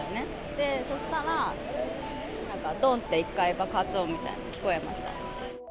で、そしたら、なんか、どん！って１回、爆発音みたいなのが聞こえました。